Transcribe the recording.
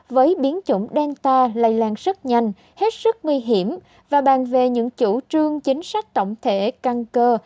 với biến chủng delta lây lan rất nhanh hết sức nguy hiểm và bàn về những chủ trương chính sách tổng thể căn cơ